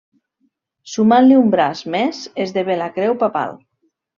Sumant-li un braç més, esdevé la creu papal.